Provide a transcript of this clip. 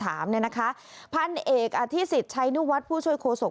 ถามเนี้ยนะคะพันเอกที่สิทธิ์ใช้นู่วัดผู้ช่วยโคศก